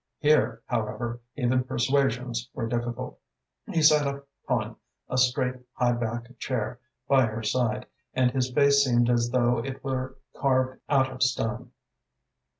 Here, however, even persuasions were difficult. He sat upon a straight, high backed chair by her side and his face seemed as though it were carved out of stone.